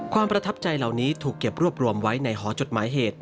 ประทับใจเหล่านี้ถูกเก็บรวบรวมไว้ในหอจดหมายเหตุ